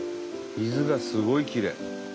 水がすごいきれい。